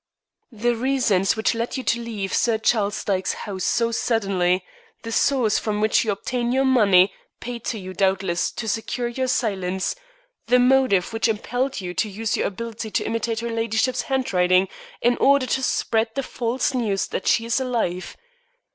"The reasons which led you to leave Sir Charles Dyke's house so suddenly, the source from which you obtain your money, paid to you, doubtless, to secure your silence, the motive which impelled you to use your ability to imitate her ladyship's handwriting in order to spread the false news that she is alive.